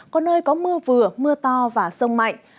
có nơi có mưa vừa mưa to và rông mạnh